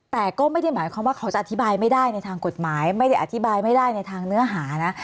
แต่ก็ไม่ได้หมายความว่าเขาจะอธิบายไม่ได้ในทางกฎหมายไม่ได้อธิบายไม่ได้ในทางเนื้อหานะ